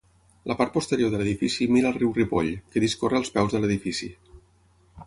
La part posterior de l'edifici mira al riu Ripoll, que discorre als peus de l'edifici.